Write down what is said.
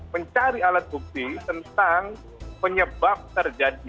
mencari alat bukti tentang penyebab terjadinya